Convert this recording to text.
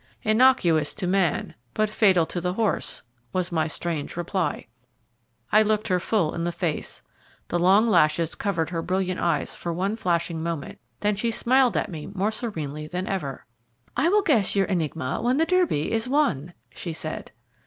"'Innocuous to man, but fatal to the horse,'" was my strange reply. I looked her full in the face. The long lashes covered her brilliant eyes for one flashing moment, then she smiled at me more serenely than ever. "I will guess your enigma when the Derby is won," she said.